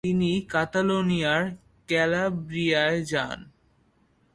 তিনি কাতালোনিয়ার ক্যালাব্রিয়ায় যান।